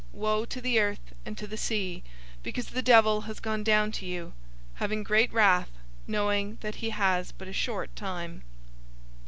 Woe to the earth and to the sea, because the devil has gone down to you, having great wrath, knowing that he has but a short time."